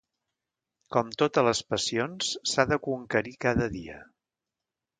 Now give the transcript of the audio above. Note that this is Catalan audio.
Com totes les passions s'ha de conquerir cada dia.